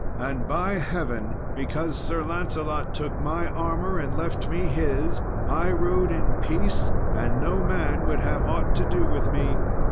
And by Heaven! because Sir Lancelot took my armour and left me his, I rode in peace, and no man would have aught to do with me."